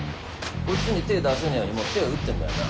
こっちに手ぇ出せねえようにもう手は打ってんだよな？